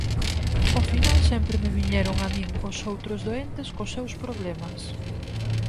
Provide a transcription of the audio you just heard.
Ao final sempre me viñeron a min os outros doentes cos seus problemas.